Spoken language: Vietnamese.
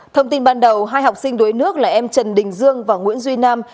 thông tin ban đầu hai học sinh đuối nước là em trần đình dương và nguyễn duy nam